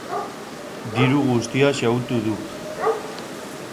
Diru guztia xahutu du.